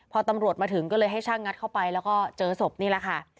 พอตำรวจมาถึงก็เลยให้ช่างงัดเข้าไปแล้วก็เจอศพนี่แหละค่ะ